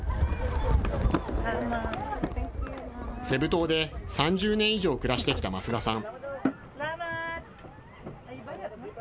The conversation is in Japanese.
セブ島で３０年以上暮らしてきた増田さん。